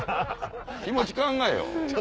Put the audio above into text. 気持ち考えよ！